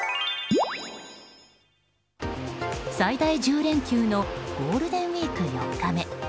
最大１０連休のゴールデンウィーク４日目。